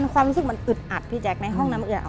ความรู้สึกมันอึดอัดพี่แจ๊คในห้องน้ำเอือ